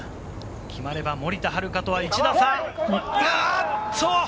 決まれば森田遥とは１打差。